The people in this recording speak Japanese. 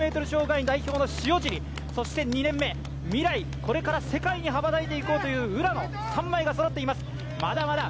障害代表の塩尻、そして２年目、これから未来に羽ばたいていこうという浦野、３枚がそろっています。